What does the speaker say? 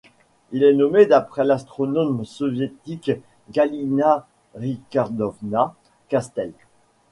Il est nommé d'après l'astronome soviétique Galina Ričardovna Kastel'.